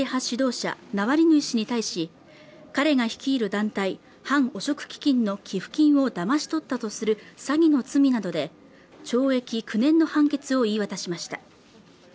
指導者ナワリヌイ氏に対し彼が率いる団体反汚職基金の寄付金をだまし取ったとする詐欺の罪などで懲役９年の判決を言い渡しました